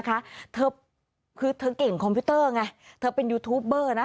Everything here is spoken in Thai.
คือเธอเก่งคอมพิวเตอร์ไงเธอเป็นยูทูปเบอร์นะ